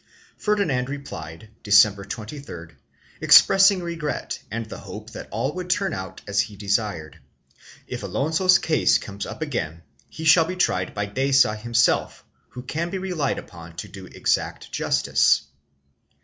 Ferdinand replied, December 23d, expressing regret and the hope that all would turn out as he desired; if Alonso's case comes up again he shall be tried by Deza himself who can be relied upon to do exact justice.